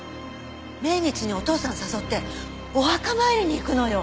命日にお父さん誘ってお墓参りに行くのよ。